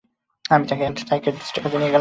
আমি তাকে একজন সাইকিয়াটিস্টের কাছে নিয়ে গেলাম।